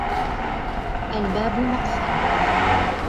الباب مقفل.